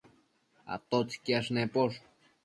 ¿atotsi quiash neposh?